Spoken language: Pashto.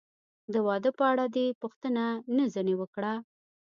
د واده په اړه دې پوښتنه نه ځنې وکړه؟